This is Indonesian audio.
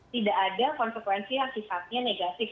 tidak ada konsekuensi yang sifatnya negatif